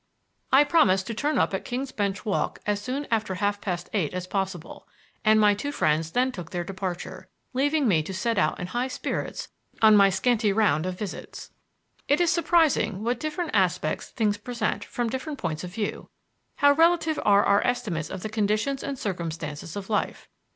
I promised to turn up at King's Bench Walk as soon after half past eight as possible, and my two friends then took their departure, leaving me to set out in high spirits on my scanty round of visits. It is surprising what different aspects things present from different points of view; how relative are our estimates of the conditions and circumstances of life.